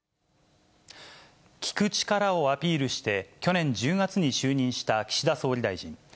聞く力をアピールして、去年１０月に就任した岸田総理大臣。